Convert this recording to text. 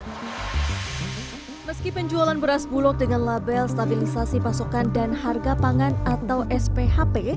hai meski penjualan beras bulog dengan label stabilisasi pasokan dan harga pangan atau sphp